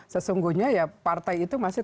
sesungguhnya ya partai itu masih